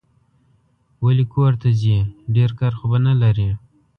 ولي کورته ځې ؟ ډېر کار خو به نه لرې